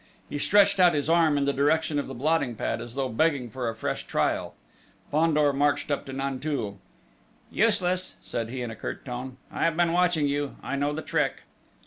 He stretched out his arm in the direction of the blotting pad, as though begging for a fresh trial.... Fandor marched up to Nanteuil. "Useless," said he, in a curt tone. "I have been watching you!... I know the trick!"